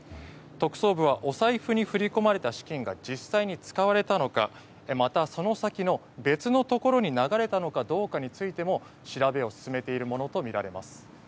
特捜部はお財布に振り込まれた資金が実際に使われたのか、またその先の別のところに流れたのかどうかについても調べを進めているものとみられます。